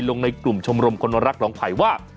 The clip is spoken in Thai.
ลงในกลุ่มชมรมคนรักน้องไผ่ว่า